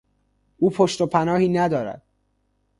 او پشت و پناهی ندارد.